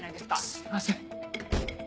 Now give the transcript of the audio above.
すいません。